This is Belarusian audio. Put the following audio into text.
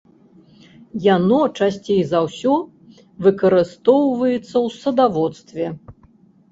Яно часцей за ўсё выкарыстоўваецца ў садаводстве.